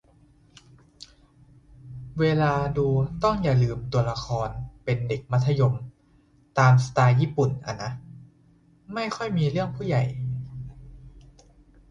เวลาดูต้องอย่าลืมว่าตัวละครเป็นเด็กมัธยม ตามสไตล์ญี่ปุ่นอะนะ ไม่ค่อยมีเรื่องผู้ใหญ่